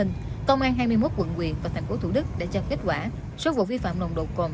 công an hai mươi một quận quyện và thành phố thủ đức đã cho kết quả số vụ vi phạm nồng độ cồn